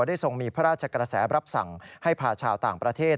ทรงมีพระราชกระแสรับสั่งให้พาชาวต่างประเทศ